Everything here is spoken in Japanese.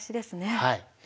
はい。